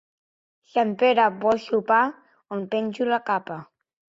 Sant Pere, vols sopar? —On penjo la capa?